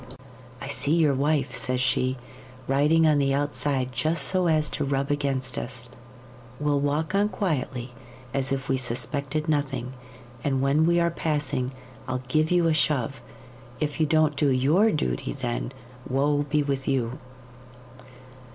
"I see your wife," says she, "riding on the outside just so as to rub against us. We'll walk on quietly, as if we suspected nothing, and when we are passing I'll give you a shove. If you don't do YOUR duty then, woe be with you!"